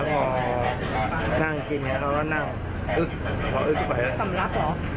เอ็ดก็นั่งกินแบบนี้แล้วนั่งอึดต่อลึกไปละสำรักเหรอ